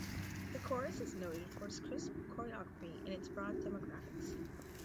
The chorus is noted for its crisp choreography and its broad demographics.